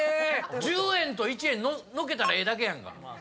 十円と一円のけたらええだけやんか。